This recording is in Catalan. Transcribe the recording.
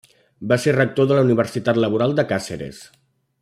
Va ser rector de la Universitat Laboral de Càceres.